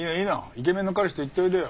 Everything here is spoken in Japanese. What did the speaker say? イケメンの彼氏と行っておいでよ。